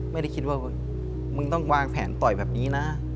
ไม่ได้คิดว่ามึงต้องวางแผนต่อยแบบนี้นะ